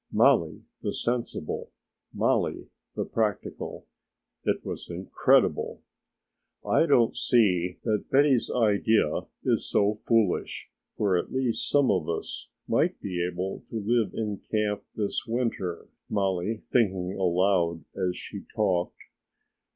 Mollie, the sensible; Mollie, the practical it was incredible. "I don't see that Betty's idea is so foolish, for at least some of us might be able to live in camp this winter," Mollie thinking aloud as she talked.